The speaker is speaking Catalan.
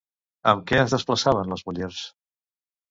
Amb què es desplaçaven les mullers?